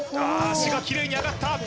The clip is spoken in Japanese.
足がキレイに上がった